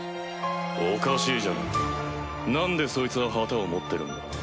おかしいじゃねえかなんでそいつは旗を持ってるんだ？